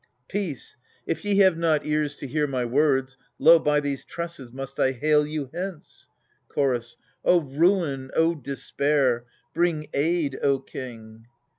Peace ! if ye have not ears to hear my words, Lo, by these tresses must I hale you hence. Chorus. O ruin, O despair ! Bring aid, O king